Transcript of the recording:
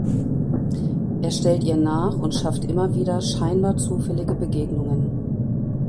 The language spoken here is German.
Er stellt ihr nach und schafft immer wieder scheinbar zufällige Begegnungen.